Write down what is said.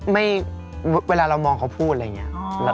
เวลาเรามองเขาพูดอะไรอย่างนี้